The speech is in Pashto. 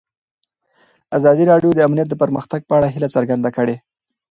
ازادي راډیو د امنیت د پرمختګ په اړه هیله څرګنده کړې.